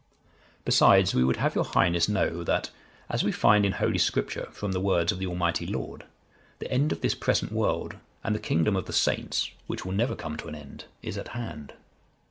"Besides, we would have your Highness know that, as we find in Holy Scripture from the words of the Almighty Lord, the end of this present world, and the kingdom of the saints, which will never come to an end, is at hand.